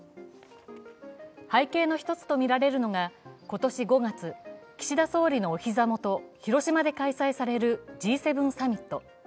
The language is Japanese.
背景の１つとみられるのが今年５月、岸田総理のお膝元、広島で開催されるＧ７サミット。